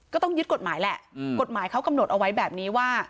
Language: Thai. ก็ต้องยึดกฎหมายแหละกฎหมายเขากำหนดเอาไว้แบบนี้ว่า